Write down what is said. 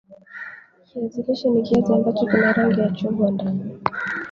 Kiazi lishe ni kiazi ambacho kina rangi ya chungwa ndani